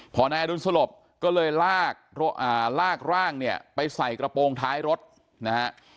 พอนายอดุลสลบก็เลยลากลากร่างเนี่ยไปใส่กระโปรงท้ายรถนะฮะ